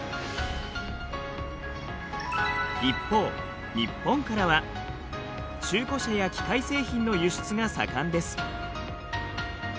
一方日本からは中古車や機械製品の輸出が盛んです。